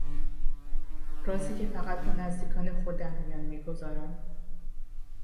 رازی که فقط با نزدیکان خود درمیان میگذارم